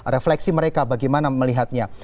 refleksi mereka bagaimana melihatnya